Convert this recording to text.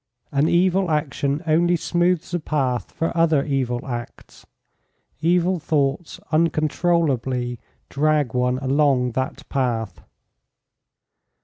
An evil action only smooths the path for other evil acts; evil thoughts uncontrollably drag one along that path.